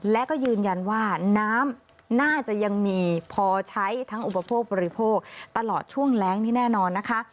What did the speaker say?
และก็ยืนยันว่าน้ำน่าจะยังมีพอใช้ทั้งอุปโภคบริโภคตลอดช่วงแรงนี่แน่นอนนะคะ